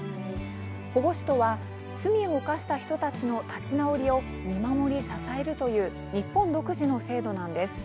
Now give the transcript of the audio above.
保護司とは罪を犯した人たちの立ち直りを見守り支えるという日本独自の制度なんです。